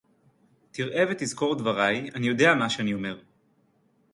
תראה ותזכור דבריי, אני יודע מה שאני אומר.